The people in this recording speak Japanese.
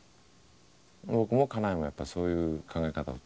僕も家内もやっぱりそういう考え方。